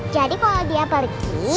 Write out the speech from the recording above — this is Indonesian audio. jadi kalau dia pergi